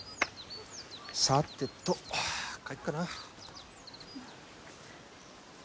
さてと帰っかな。